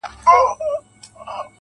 څه یې مسجد دی څه یې آذان دی.